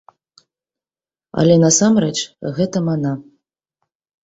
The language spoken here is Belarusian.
Але насамрэч гэта мана.